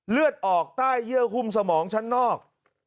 เลือดออกใต้เยื่อหุ้มสมองชั้นนอก